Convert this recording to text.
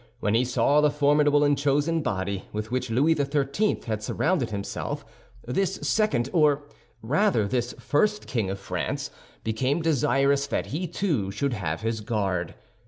When he saw the formidable and chosen body with which Louis XIII. had surrounded himself, this second, or rather this first king of France, became desirous that he, too, should have his guard.